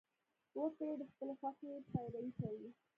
وګړي د خپلې خوښې پیروي کوي.